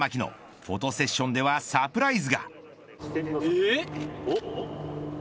フォトセッションではサプライズが。